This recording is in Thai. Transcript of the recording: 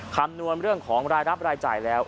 คำนวณเรื่องของรายรับรายจ่ายแล้ว